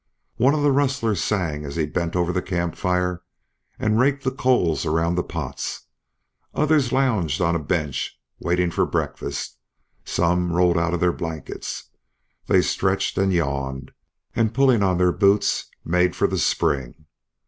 One of the rustlers sang as he bent over the camp fire and raked the coals around the pots; others lounged on a bench waiting for breakfast; some rolled out of their blankets; they stretched and yawned, and pulling on their boots made for the spring.